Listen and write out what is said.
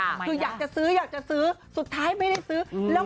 คืออยากจะซื้ออยากจะซื้อสุดท้ายไม่ได้ซื้อแล้ว